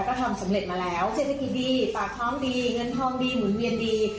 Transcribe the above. ก็ทำสำเร็จมาแล้วเศรษฐกิจดีปากท้องดีเงินทองดีหมุนเวียนดี